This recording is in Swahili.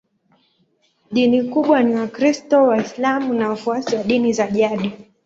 Dini kubwa ni Wakristo, Waislamu na wafuasi wa dini za jadi.